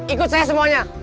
ikut saya semuanya